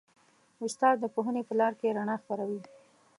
استاد د پوهنې په لاره کې رڼا خپروي.